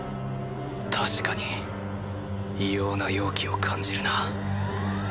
確かに異様な妖気を感じるな。